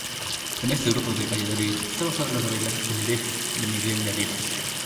En este grupo de Valladolid está basada la novela "El hereje" de Miguel Delibes.